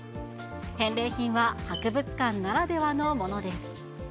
返礼品は博物館ならではのものです。